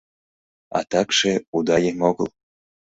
А такше уда еҥ огыл.